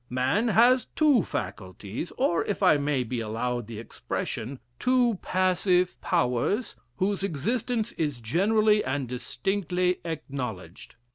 Man has two faculties; or, if I may be allowed the expression, two passive powers whose existence is generally and distinctly acknowledged.